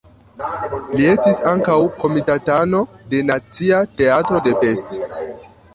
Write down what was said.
Li estis ankaŭ komitatano de Nacia Teatro de Pest.